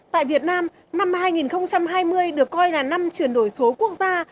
tại việt nam năm hai nghìn hai mươi được coi là năm chuyển đổi số quốc gia